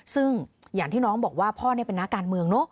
ซึ่งอย่างที่น้องบอกว่าพ่อเป็นนักการเมืองเนอะ